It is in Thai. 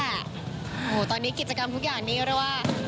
โอ้วตอนนี้กิจกรรมทุกอย่างนี่อะไรวะ